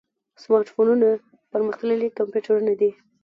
سمارټ فونونه پرمختللي کمپیوټرونه دي.